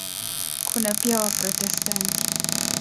Kuna pia Waprotestanti.